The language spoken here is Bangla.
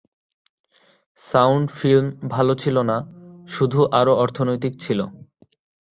সাউন্ড ফিল্ম ভাল ছিল না, শুধু আরো অর্থনৈতিক ছিল।